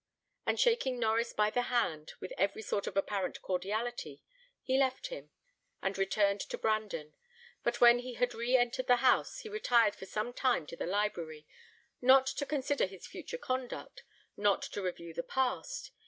And shaking Norries by the hand with every sort of apparent cordiality, he left him, and returned to Brandon. But when he had re entered the house, he retired for some time to the library, not to consider his future conduct, not to review the past.